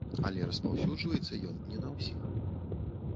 Але распаўсюджваецца ён не на ўсіх.